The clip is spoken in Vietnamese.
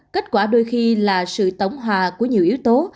kết quả đôi khi là sự tổng hòa của nhiều yếu tố